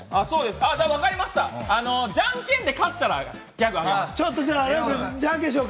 分かりました、じゃんけんで勝ったらギャグあげます。